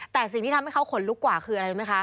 แต่สิ่งที่ทำให้เขาขนลุกกว่าคืออะไรรู้ไหมคะ